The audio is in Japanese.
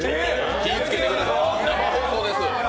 気をつけてくださいよ、生放送です！